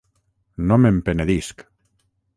No me'n penedisc...